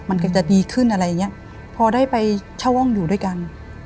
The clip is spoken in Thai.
มันก็จะดีขึ้นอะไรอย่างเงี้ยพอได้ไปเช่าห้องอยู่ด้วยกัน